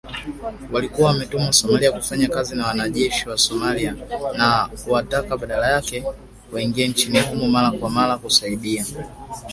Walikuwa wametumwa Somalia kufanya kazi na wanajeshi wa Somalia na kuwataka badala yake waingie nchini humo mara kwa mara kusaidia